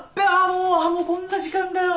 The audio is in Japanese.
もうこんな時間だよ。